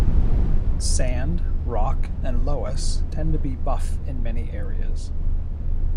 Sand, rock, and loess tend to be buff in many areas.